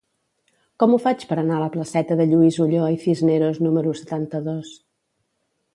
Com ho faig per anar a la placeta de Lluís Ulloa i Cisneros número setanta-dos?